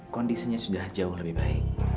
kondisinya sudah jauh lebih baik